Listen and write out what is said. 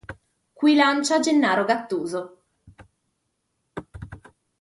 Qui lancia Gennaro Gattuso.